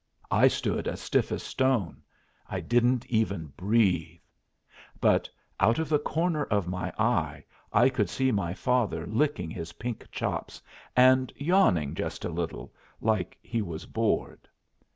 I stood as stiff as stone. I didn't even breathe. But out of the corner of my eye I could see my father licking his pink chops, and yawning just a little, like he was bored.